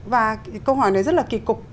và câu hỏi này rất là kỳ cục